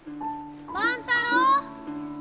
万太郎！